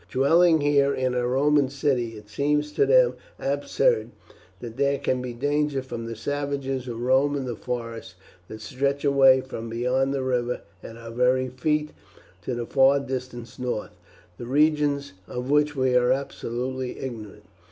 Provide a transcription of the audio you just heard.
Dwelling here in a Roman city, it seems to them absurd that there can be danger from the savages who roam in the forests that stretch away from beyond the river at our very feet to the far distant north, to regions of which we are absolutely ignorant.